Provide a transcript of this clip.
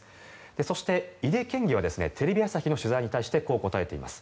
そして、井手県議はテレビ朝日の取材に対してこう答えています。